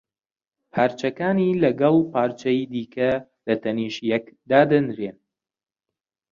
پارچەکانی لەگەڵ پارچەی دیکە لە تەنیشت یەک دادەنرێن